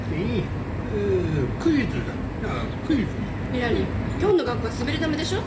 ひらり今日の学校は滑り止めでしょ？